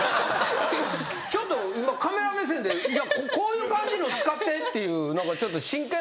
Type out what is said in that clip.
ちょっと今カメラ目線でこういう感じの使ってっていう真剣な顔の中でもこううん。